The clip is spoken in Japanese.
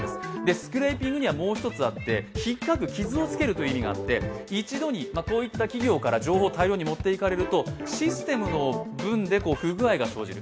スクレイピングにはもう一つ意味があってひっかく、傷をつけるという意味があって一度にこういった企業から情報を大量に持って行かれるとシステムの分で不具合が生じる。